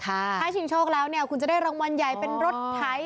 ถ้าชิงโชคแล้วเนี่ยคุณจะได้รางวัลใหญ่เป็นรถไถ